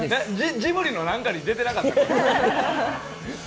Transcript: ジブリのなんかに出てなかった？